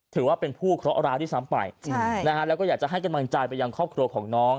ถือว่าเป็นผู้เคราะห์ร้ายด้วยซ้ำไปแล้วก็อยากจะให้กำลังใจไปยังครอบครัวของน้อง